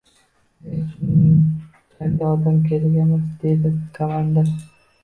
— Bizga tushunchali odam kerak emas, — dedi ko-mandir.